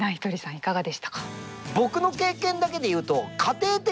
いかがでしたか？